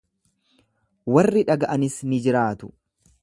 Warri dhaga’anis ni jiraatu.